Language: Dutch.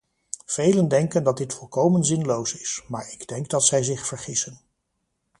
Velen denken dat dit volkomen zinloos is, maar ik denk dat zij zich vergissen.